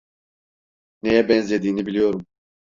Neye benzediğini biliyorum.